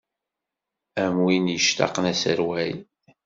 Am win yectaqen aserwal.